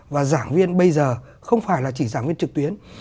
và giảng viên bây giờ không phải là chỉ giảng viên trực tuyến